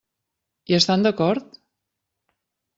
Hi estan d'acord?